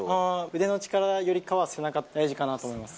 腕の力よりかは背中大事かなと思います。